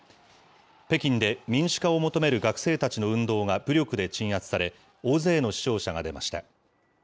北京で民主化を求める学生たちの運動が武力で鎮圧され、大勢の死傷者が出ました。